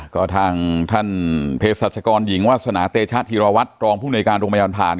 ก็ทางท่านเพศรัชกรหญิงวาสนาเตชะธีรวัตรรองผู้ในการโรงพยาบาลผ่าน